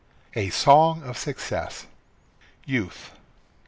A SONG OF SUCCESS. YOUTH.